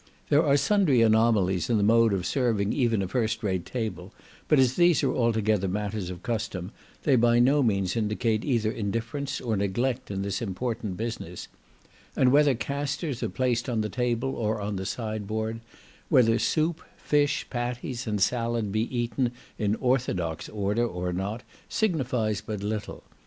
There are sundry anomalies in the mode of serving even a first rate table; but as these are altogether matters of custom, they by no means indicate either indifference or neglect in this important business; and whether castors are placed on the table or on the sideboard; whether soup, fish, patties, and salad be eaten in orthodox order or not, signifies but little.